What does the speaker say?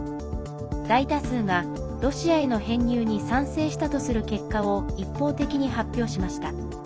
大多数がロシアへの編入に賛成したとする結果を一方的に発表しました。